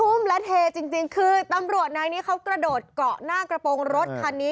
และเทจริงคือตำรวจนายนี้เขากระโดดเกาะหน้ากระโปรงรถคันนี้